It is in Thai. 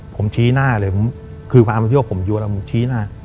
ผมชี้หน้าเลยคือพระอำนาจโภคผมอยู่แล้วผมชี้หน้า